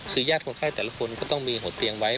คือญาติคนไข้แต่ละคนก็ต้องมีหัวเตียงไว้